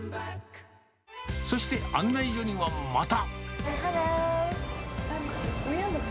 そして、案内所にはまた。